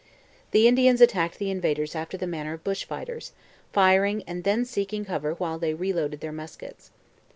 The Indians attacked the invaders after the manner of bush fighters, firing and then seeking cover while they reloaded their muskets.